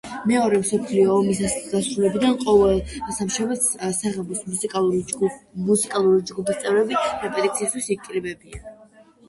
მეორე მსოფლიო ომის დასრულებიდან ყოველ სამშაბათ საღამოს მუსიკალური ჯგუფის წევრები რეპეტიციისთვის იკრიბებიან.